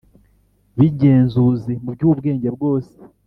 b’ingenzuzi mu by’ubwenge bwose